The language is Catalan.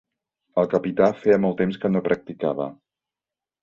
El capità feia molt temps que no practicava.